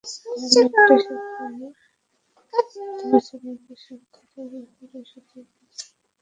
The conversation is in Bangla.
ঐ লোকটির সাথে তোমার ছেলেদের সাক্ষাতের ব্যাপারে সতর্ক থেকো।